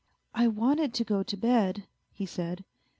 " I wanted to go to bed," he said.